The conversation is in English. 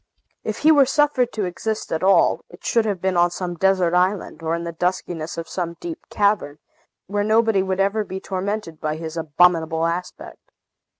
If he were suffered to exist at all, it should have been on some desert island, or in the duskiness of some deep cavern, where nobody would ever be tormented by his abominable aspect.